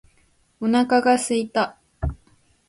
お腹が空いた